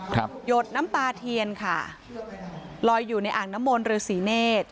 ครับหยดน้ำปลาเทียนค่ะรอยอยู่ในอ่างน้ำมนฤษีเนศ